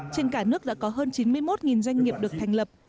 trên cả nước đã có hơn chín mươi một doanh nghiệp được thành lập